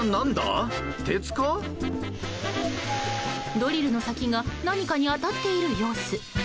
ドリルの先が何かに当たっている様子。